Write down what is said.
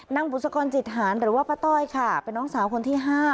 บุษกรจิตหารหรือว่าป้าต้อยค่ะเป็นน้องสาวคนที่๕